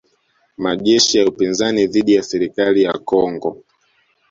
Majeshi ya upinzani dhidi ya serikali ya Kongo